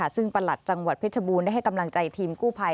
ซึ่งประหลัดจังหวัดเพชรบูรณ์ได้ให้กำลังใจทีมกู้ภัย